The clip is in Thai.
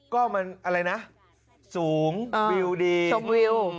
ก็มันอะไรนะสูงวิวดีชมวิว